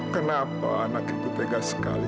kenapa anak itu tegas sekali